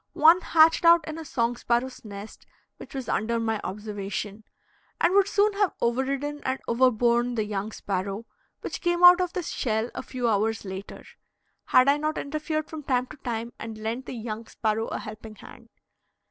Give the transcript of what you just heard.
One hatched out in a song sparrow's nest which was under my observation, and would soon have overridden and overborne the young sparrow, which came out of the shell a few hours later, had I not interfered from time to time and lent the young sparrow a helping hand.